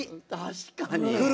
確かに。